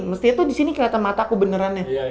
mestinya tuh disini kelihatan mata aku beneran ya